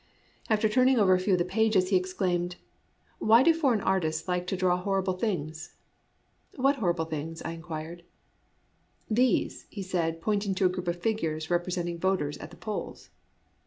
After turning over a few of the pages, he exclaimed, " Why do foreign artists like to draw horrible things ?"" What horrible things ?" I inquired. "These," he said, pointing to a group of figures representing voters at the polls.